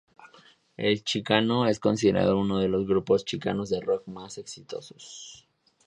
El Chicano es considerado uno de los grupos chicanos de rock más exitosos.